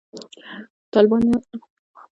تالابونه د افغانستان د چاپیریال د مدیریت لپاره مهم دي.